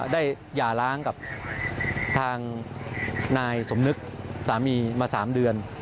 หย่าล้างกับทางนายสมนึกสามีมา๓เดือน